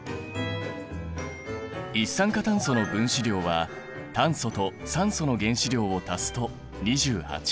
一酸化炭素の分子量は炭素と酸素の原子量を足すと２８。